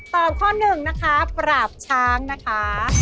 ข้อหนึ่งนะคะปราบช้างนะคะ